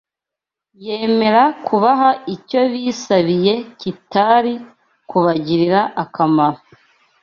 yemera kubaha icyo bisabiye kitari kubagirira akamaro.